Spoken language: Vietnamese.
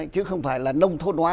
chứ không phải là nông thôn hóa